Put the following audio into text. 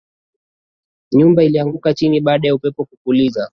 Nyumba ilianguka chini baada ya upepo kupuliza